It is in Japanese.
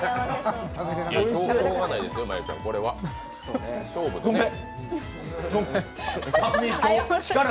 しょうがないですよ、真悠ちゃんこれは勝負ですから。